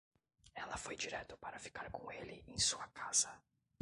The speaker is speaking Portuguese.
Ela foi direto para ficar com ele em sua casa.